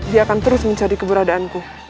dia akan terus mencari keberadaanku